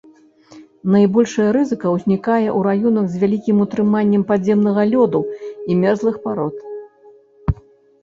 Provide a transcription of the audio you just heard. Найбольшая рызыка ўзнікае ў раёнах з вялікім утрыманнем падземнага лёду і мерзлых парод.